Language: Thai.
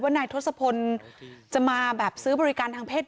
นายทศพลจะมาแบบซื้อบริการทางเพศ